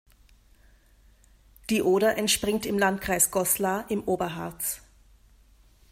Die Oder entspringt im Landkreis Goslar im Oberharz.